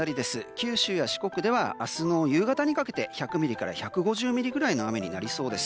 九州や四国では明日の夕方にかけて１００ミリから１５０ミリぐらいの雨になりそうです。